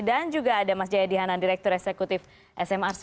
dan juga ada mas jayadi hanan direktur eksekutif smrc